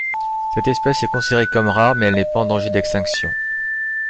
Cette espèce est considérée comme rare, mais elle n'est pas en danger d'extinction.